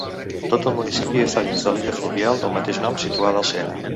Tot el municipi està dins de l'illa fluvial del mateix nom situada al Sena.